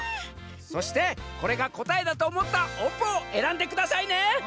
そしてこれがこたえだとおもったおんぷをえらんでくださいね。